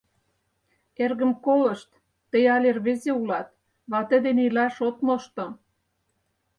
Эргым, колышт: тый але рвезе улат, вате дене илаш от мошто?!